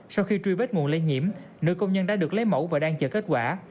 sau khi truy vết nguồn lây nhiễm nữ công nhân đã được lấy mẫu và đang chờ kết quả